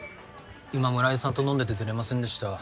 今村井さんと飲んでて出れませんでした。